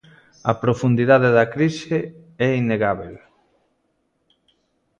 A profundidade da crise é innegábel.